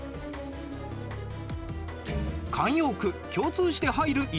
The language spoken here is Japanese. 慣用句共通して入る色は？